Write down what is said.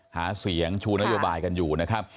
หาเสียงชูนโยบายกันอยู่นะครับ